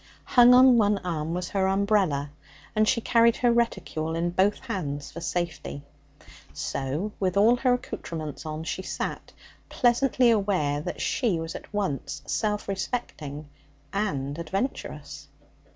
Hung on one arm was her umbrella, and she carried her reticule in both hands for safety. So, with all her accoutrements on, she sat, pleasantly aware that she was at once self respecting and adventurous.